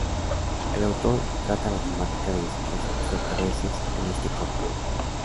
El autor trata la temática de visitas extraterrestres en este cómic.